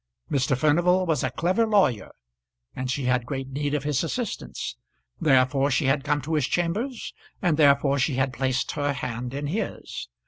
Mr. Furnival was a clever lawyer, and she had great need of his assistance; therefore she had come to his chambers, and therefore she had placed her hand in his.